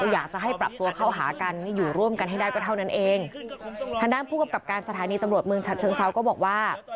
อยากจะให้ปรับตัวเข้าหากันอยู่ร่วมกันให้ได้ก็เท่านั้นเองทางด้านผู้กำกับการสถานีตำรวจเมืองฉัดเชิงเซาก็บอกว่า